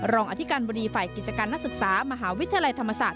รองอธิการบริษัทธิการนักศึกษามหาวิทยาลัยธรรมศาสตร์